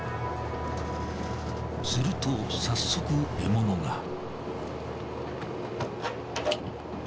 すると早速獲物が。